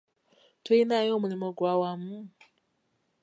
Tulinayo omulimu gw'awamu?